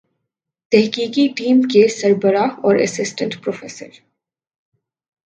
تحقیقی ٹیم کے سربراہ اور اسسٹنٹ پروفیسر